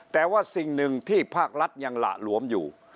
แต่ว่าสิ่งหนึ่งที่ภาครัฐยังหละหลวมอยู่